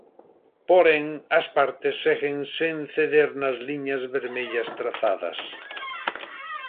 Porén, as partes seguen sen ceder nas liñas vermellas trazadas.